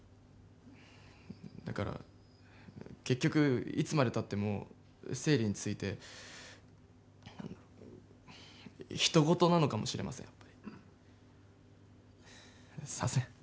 だから、結局いつまでたっても生理についてひと事なのかもしれません。えっ？